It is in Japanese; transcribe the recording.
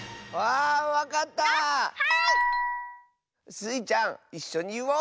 スイちゃんいっしょにいおう！